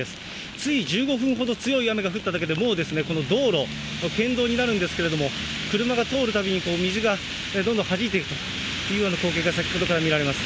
つい１５分ほど強い雨が降っただけで、もうですね、この道路、県道になるんですけれども、車が通るたびに水がどんどんはじいていくというような光景が先ほどから見られます。